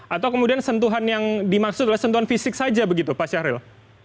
atau kemudian sentuhan yang dimaksud adalah sentuhan fisik saja begitu pak syahril